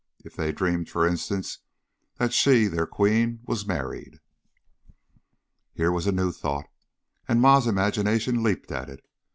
If they dreamed, for instance, that she, their queen, was married Here was a new thought, and Ma's imagination leaped at it.